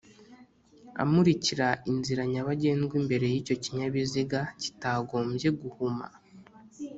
amurika inzira nyabagendwa imbere y icyo kinyabiziga kitagombye guhuma